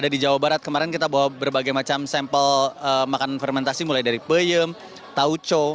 di seminar kemarin